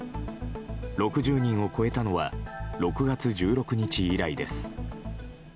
６０人を超えたのは６月１６日以来です。